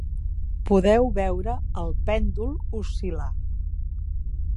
Podeu veure el pèndol oscil·lar.